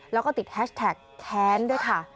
แล้วก็ติดแฮชแท็กแค้นด้วยค่ะ